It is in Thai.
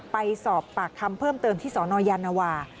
ไปสอบปากคำเพิ่มเติมที่สนยานวา